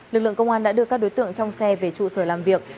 lực lượng công an đã đưa các đối tượng trong xe về trụ sở làm việc